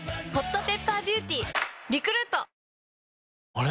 あれ？